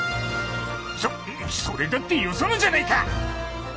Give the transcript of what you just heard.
そそれだってよそのじゃないか！